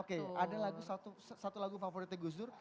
oke ada satu lagu favoritnya gus dur